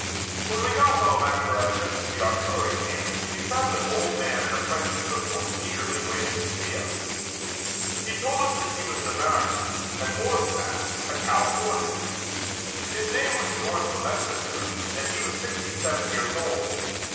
When we got home after our trips to the artillery camps we found an old man in a French uniform eagerly waiting to see us. He told us that he was an American, and more than that, a Californian. His name was George La Messneger and he was sixty seven years old.